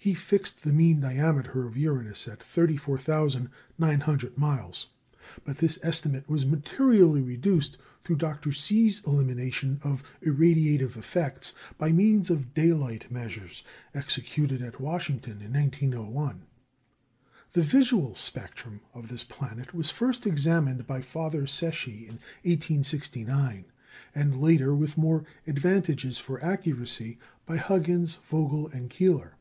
He fixed the mean diameter of Uranus at 34,900 miles. But this estimate was materially reduced through Dr. See's elimination of irradiative effects by means of daylight measures, executed at Washington in 1901. The visual spectrum of this planet was first examined by Father Secchi in 1869, and later, with more advantages for accuracy, by Huggins, Vogel, and Keeler.